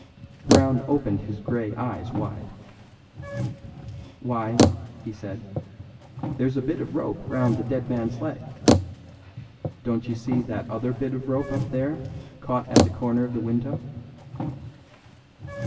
Brown opened his grey eyes wide. "Why," he said, "there's a bit of rope round the dead man's leg. Don't you see that other bit of rope up there caught at the corner of the window?"